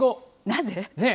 なぜ？